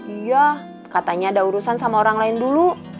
iya katanya ada urusan sama orang lain dulu